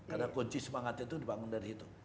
karena kunci semangatnya itu dibangun dari itu